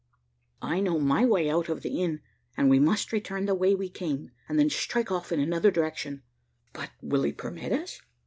I know my way out of the inn, and we must return the way we came, and then strike off in another direction." "But will he permit us?"